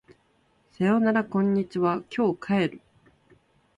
さよならこんにちは今日帰る